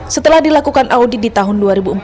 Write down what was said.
setelah dilakukan audit di tahun dua ribu empat belas